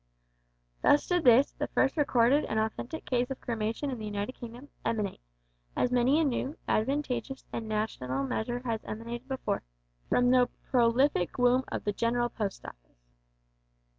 Thus did this, the first recorded and authentic case of cremation in the United Kingdom, emanate as many a new, advantageous, and national measure has emanated before from the prolific womb of the General Post Office.